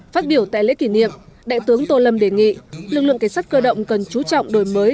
phát biểu tại lễ kỷ niệm đại tướng tô lâm đề nghị lực lượng cảnh sát cơ động cần chú trọng đổi mới